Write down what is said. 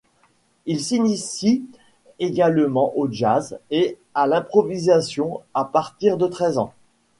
Il s’initie également au jazz et à l’improvisation à partir de treize ans.